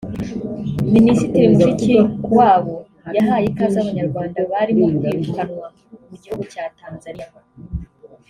Ministiri Mushikiwabo yahaye ikaze Abanyarwanda barimo kwirukanwa mu gihugu cya Tanzania